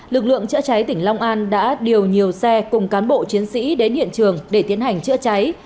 lực lượng chữa cháy tỉnh long an đã điều nhiều xe cùng cán bộ chiến sĩ đến hiện trường để tiến hành chữa cháy